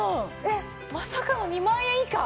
まさかの２万円以下？